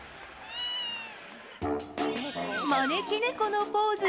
招き猫のポーズ。